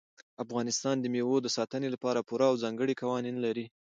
افغانستان د مېوو د ساتنې لپاره پوره او ځانګړي قوانین لري.